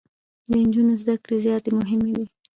د انجونو زده کړي زياتي مهمي دي.